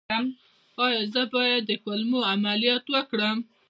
ایا زه باید د کولمو عملیات وکړم؟